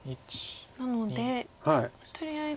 なのでとりあえず。